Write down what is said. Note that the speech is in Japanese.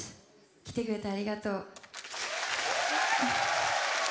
来てくれて、ありがとう。